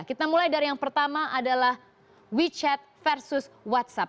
kita mulai dari yang pertama adalah wechat versus whatsapp